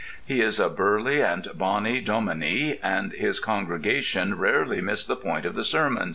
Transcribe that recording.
He is a burly and bonny dominie, and his congregation rarely miss the point of the sermon.